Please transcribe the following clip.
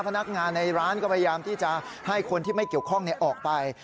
พนักงานในร้านก็พยายามที่จะให้คนที่ไม่เกี่ยวข้องออกไป